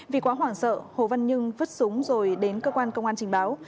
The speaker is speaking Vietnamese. vì quá hoảng sợ hồ văn nhưng vứt súng rồi đến cơ quan công an trình báo